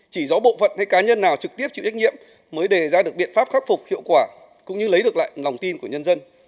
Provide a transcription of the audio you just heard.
chỉ rõ bộ phận hay cá nhân nào trực tiếp chịu trách nhiệm mới đề ra được biện pháp khắc phục hiệu quả cũng như lấy được lại lòng tin của nhân dân